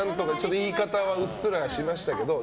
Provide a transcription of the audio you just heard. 言い方はうっすらしましたけど。